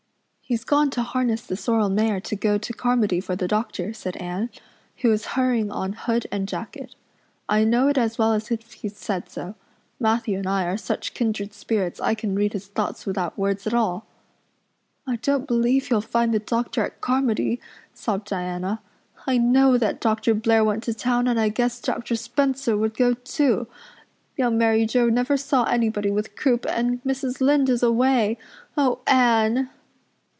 "He's gone to harness the sorrel mare to go to Carmody for the doctor," said Anne, who was hurrying on hood and jacket. "I know it as well as if he'd said so. Matthew and I are such kindred spirits I can read his thoughts without words at all." "I don't believe he'll find the doctor at Carmody," sobbed Diana. "I know that Dr. Blair went to town and I guess Dr. Spencer would go too. Young Mary Joe never saw anybody with croup and Mrs. Lynde is away. Oh, Anne!"